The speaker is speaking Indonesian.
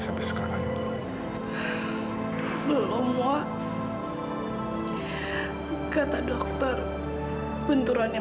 sampai jumpa di video selanjutnya